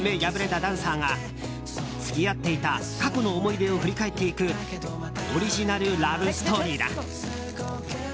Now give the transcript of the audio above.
破れたダンサーが付き合っていた過去の思い出を振り返っていくオリジナルラブストーリーだ。